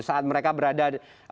saat mereka berada